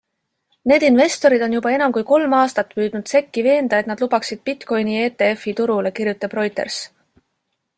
Need investorid on juba enam kui kolm aastat püüdnud SECi veenda, et nad lubaksid bitcoini ETFi turule, kirjutab Reuters.